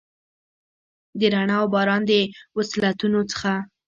د رڼا اوباران، د وصلتونو څخه،